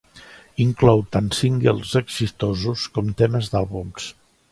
Inclou tant singles exitosos com temes d'àlbums.